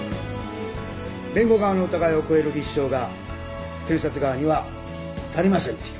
弁護側の疑いを超える立証が検察側には足りませんでした。